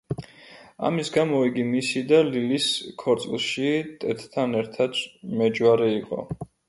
ამის გამო იგი მისი და ლილის ქორწილში ტედთან ერთად მეჯვარე იყო.